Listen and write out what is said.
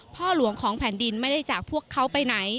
พ่อหลวงของแผ่นดินไม่ได้จากพวกเขาไปไหน